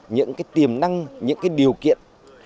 những cái tiềm năng những cái điều kiện